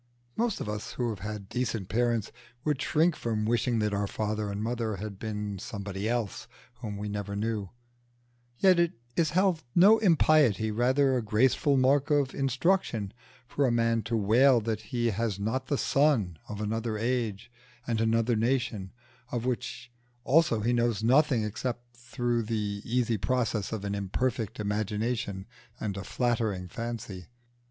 Most of us who have had decent parents would shrink from wishing that our father and mother had been somebody else whom we never knew; yet it is held no impiety, rather, a graceful mark of instruction, for a man to wail that he was not the son of another age and another nation, of which also he knows nothing except through the easy process of an imperfect imagination and a flattering fancy.